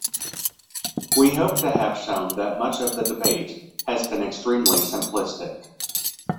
We hope to have shown that much of the debate has been extremely simplistic.